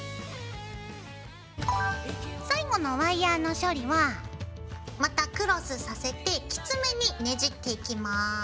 最後のワイヤーの処理はまたクロスさせてきつめにねじっていきます。